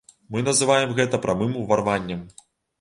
Мы называем гэта прамым уварваннем.